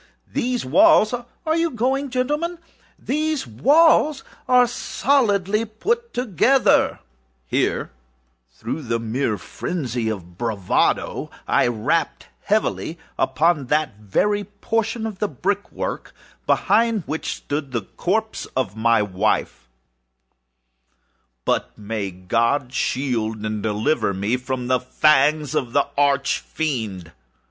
These wallsâare you going, gentlemen?âthese walls are solidly put together;â and here, through the mere phrenzy of bravado, I rapped heavily, with a cane which I held in my hand, upon that very portion of the brick work behind which stood the corpse of the wife of my bosom. But may God shield and deliver me from the fangs of the Arch Fiend!